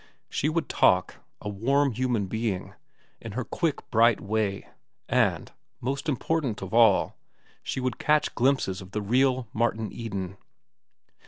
She would talk, a warm human being, in her quick, bright way, and, most important of all, she would catch glimpses of the real Martin Eden.